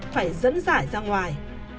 phải dẫn dải ra ngoài